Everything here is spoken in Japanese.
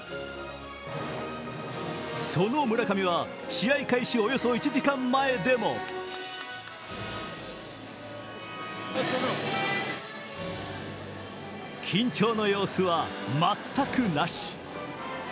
その村上は試合開始およそ１時間前でも緊張の様子は全くなし。